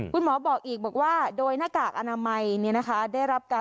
คุณหมอบอกอีกบอกว่าโดยหน้ากากอนามัยเนี่ยนะคะ